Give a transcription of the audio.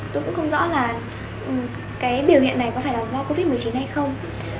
tôi cũng không rõ là cái biểu hiện này có phải là do covid một mươi chín hay không